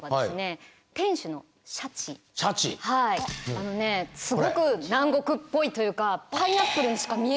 あのねすごく南国っぽいというかパイナップルにしか見えない。